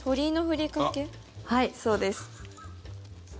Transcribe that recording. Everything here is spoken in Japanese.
はい、そうです。